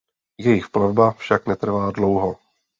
Jejich plavba však netrvala dlouho.